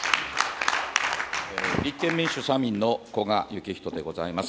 立憲民主・社民の古賀之士でございます。